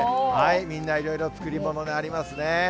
みんないろいろ作り物がありますね。